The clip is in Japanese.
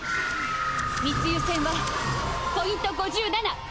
密輸船はポイント５７。